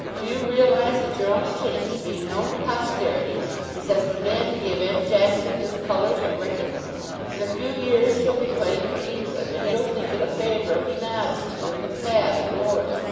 Do you realise that your only chance of being known to Posterity is as the man who gave M. Jackson his colours at Wrykyn? In a few years he'll be playing for England, and you'll think it a favour if he nods to you in the pav. at Lord's.